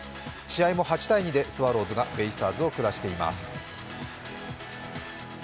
試合も８−２でスワローズがベイスターズを下しています。